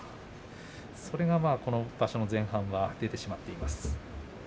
それが場所の前半は出てしまっています。